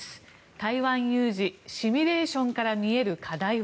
台湾有事、シミュレーションから見える課題は？